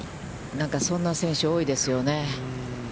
なんかそんな選手が多いですよね。